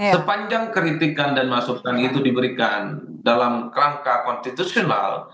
sepanjang kritikan dan masukan itu diberikan dalam kerangka konstitusional